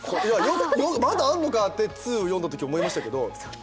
「まだあんのか」って『２』を読んだとき思いましたけど。